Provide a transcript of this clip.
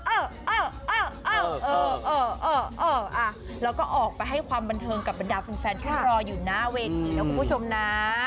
เออแล้วก็ให้เราความบันเทิงกับเป็นฝันฟนฟันที่มารออยู่นานเวทีน่าคุณผู้ชมนะ